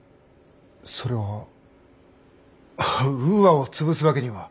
それはウーアを潰すわけには。